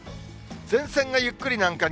前線がゆっくり南下。